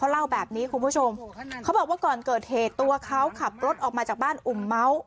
เล่าแบบนี้คุณผู้ชมเขาบอกว่าก่อนเกิดเหตุตัวเขาขับรถออกมาจากบ้านอุ่มเมาส์